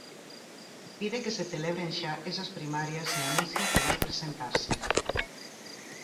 Pide que se celebren xa esas primarias e anuncia que vai presentarse.